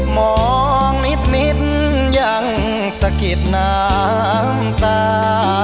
มองนิดยังสะกิดน้ำตา